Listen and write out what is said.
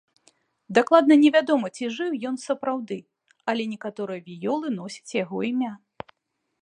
Дакладна не вядома ці жыў ён сапраўды, але некаторыя віёлы носяць яго імя.